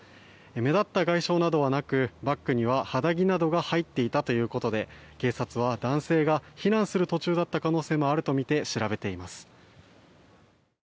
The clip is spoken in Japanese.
目立った外傷などはなくバッグには肌着などが入っていたということで警察は男性が避難する途中だった可能性もあるとみて調べています。